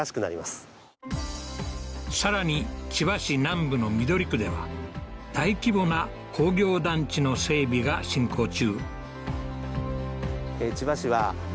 更に千葉市南部の緑区では大規模な工業団地の整備が進行中